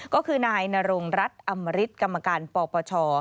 ก็คือนายนรงรัฐอมริตกรรมการปปช